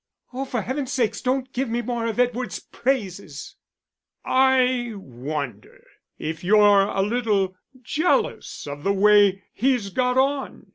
"Oh, for heaven's sake don't give me more of Edward's praises." "I wonder if you're a little jealous of the way he's got on?"